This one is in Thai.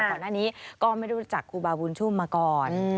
กลัวหน้านี้ก็ไม่รู้จักครูบาบูนชุมมาก่อน